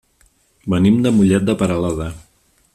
Venim de Mollet de Peralada.